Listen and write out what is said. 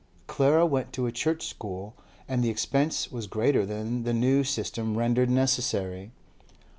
Clara went to a Church school, and the expense was greater than the new system rendered necessary.